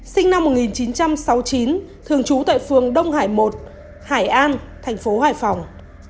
sinh năm một nghìn chín trăm sáu mươi chín thường trú tại phường đông hải một hải an thành phố hải phòng